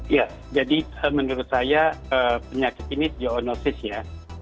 ya jadi menurut saya penyakit ini geonosis ya